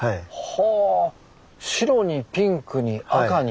はあ白にピンクに赤に。